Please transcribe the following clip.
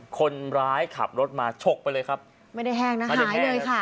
คนร้ายขับรถมาฉกไปเลยครับไม่ได้แห้งนะคะหายเลยค่ะ